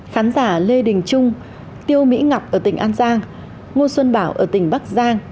khán giả lê đình trung tiêu mỹ ngọc ở tỉnh an giang ngô xuân bảo ở tỉnh bắc giang